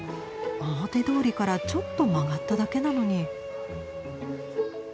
表通りからちょっと曲がっただけなのに。